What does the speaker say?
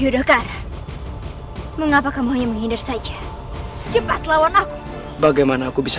yudha mengapa kamu hanya menghindar saja cepat lawan aku bagaimana aku bisa